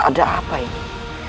ada apa ini